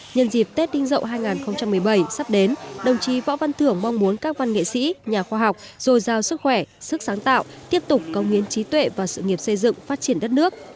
nhân dịp tết đinh dậu hai nghìn một mươi bảy sắp đến đồng chí võ văn thưởng mong muốn các văn nghệ sĩ nhà khoa học dồi dào sức khỏe sức sáng tạo tiếp tục công hiến trí tuệ và sự nghiệp xây dựng phát triển đất nước